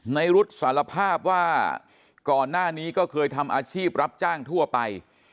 รุ๊ดสารภาพว่าก่อนหน้านี้ก็เคยทำอาชีพรับจ้างทั่วไป